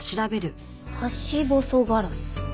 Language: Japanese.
ハシボソガラス。